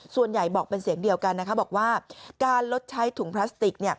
ส่วนใหญ่บอกเป็นเสียงเดียวกันนะคะบอกว่าการลดใช้ถุงพลาสติก